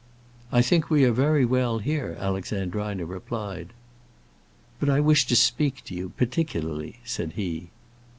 "I think we are very well here," Alexandrina replied. "But I wish to speak to you, particularly," said he.